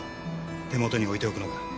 手元に置いておくのが。